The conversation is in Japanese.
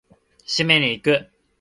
締めに行く！